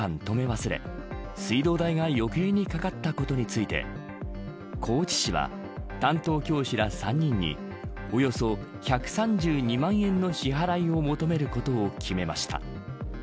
忘れ水道代が余計にかかったことについて高知市は、担当教師ら３人におよそ１３２万円の支払いを求めることを決めました。